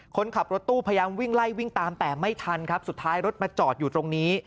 คนขับรถตู้พยายามวิ่งไล่วิ่งตามแต่ไม่ทันครับสุดท้ายรถมาจอดอยู่ตรงนี้